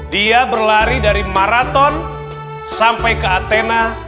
dia berlari dari maraton sampai ke athena